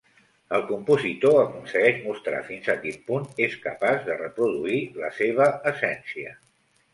El compositor aconsegueix mostrar fins a quin punt és capaç de reproduir la seva essència.